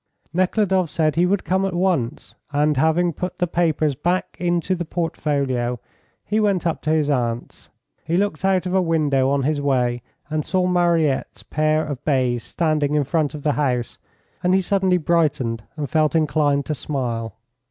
Nekhludoff said he would come at once, and having put the papers back into the portfolio, he went up to his aunt's. He looked out of a window on his way, and saw Mariette's pair of bays standing in front of the house, and he suddenly brightened and felt inclined to smile.